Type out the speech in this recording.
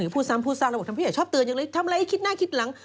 พูดซ้ำแล้วพุย่ายชอบเตือนอยู่เลยทำอะไรคิดหน้าคิดหลัง